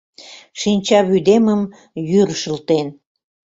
Шинчавÿдемым йÿр шылтен.